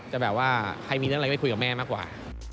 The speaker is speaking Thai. จะแบบว่าใครมีเรื่องอะไรไม่คุยกับแม่มากกว่า